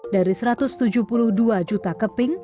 dari satu ratus tujuh puluh dua juta keping